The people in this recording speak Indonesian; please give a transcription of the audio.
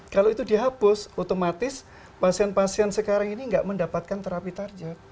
kalau itu dihapus otomatis pasien pasien sekarang ini tidak mendapatkan terapi target